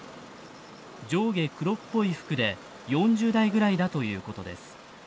上下黒っぽい服で４０代くらいだということです。